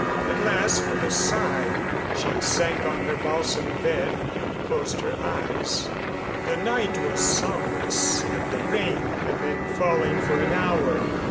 At last with a sigh, she sank on her balsam bed and closed her eyes. The night was sombrous and the rain had been falling for an hour.